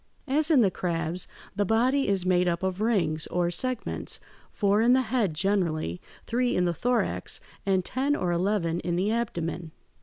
As in the crabs, the body is made up of rings, or segments: four in the head generally, three in the thorax, and ten or eleven in the abdomen.